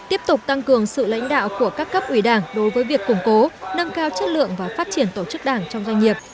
tiếp tục tăng cường sự lãnh đạo của các cấp ủy đảng đối với việc củng cố nâng cao chất lượng và phát triển tổ chức đảng trong doanh nghiệp